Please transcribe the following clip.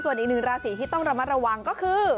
ส่วนอีกหนึ่งราศีที่ต้องระมัดระวังก็คือ